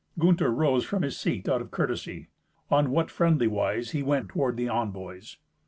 Gunther rose from his seat out of courtesy. On what friendly wise he went toward the envoys!